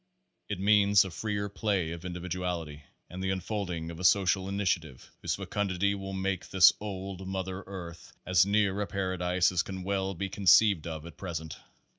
It means a freer play of individuality, and the unfolding of a social initiative whose fecundity will make this old Mother Earth as near a paradise as can well be conceived of at present.